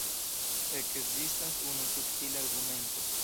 Ekzistas unu subtila argumento.